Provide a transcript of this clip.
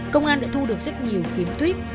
công an đã thu được rất nhiều kiếm tuyếp